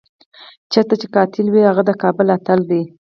چېرته چې قاتل وي هغه د کابل اتل دی.